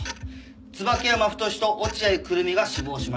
椿山太と落合久瑠実が死亡しました。